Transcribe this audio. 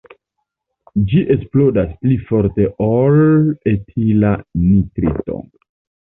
Ĝi eksplodas pli forte ol etila nitrito.